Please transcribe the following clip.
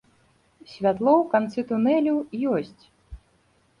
Святло ў канцы тунелю ёсць.